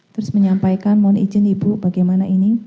terus menyampaikan mohon izin ibu bagaimana ini